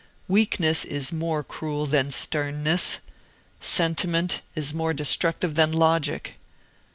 Weakness is more cruel than sternness. Sentiment is more destructive than logic."